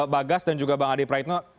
bagas dan juga bang adi praitno